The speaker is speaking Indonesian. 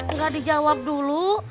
nggak dijawab dulu